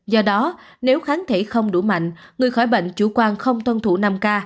do đó nếu kháng thể không đủ mạnh người khỏi bệnh chủ quan không tuân thủ năm k